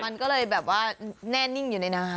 มันก็เลยแบบว่าแน่นิ่งอยู่ในน้ำ